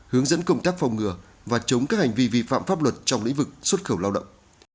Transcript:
hướng dẫn công tác phòng ngừa và chống các hành vi vi phạm pháp luật trong lĩnh vực xuất khẩu lao động